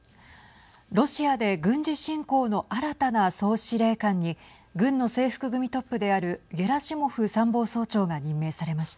ロシアで軍事侵攻の新たな総司令官に軍の制服組トップであるゲラシモフ参謀長官が任命されました。